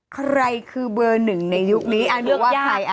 ใครคือเบอร์หนึ่งในยุคนี้อ่ะเรื่องว่าใครอ่ะ